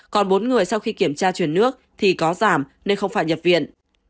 còn bốn người sau khi kiểm tra chuyển nước thì có giảm nên không phải nhập viện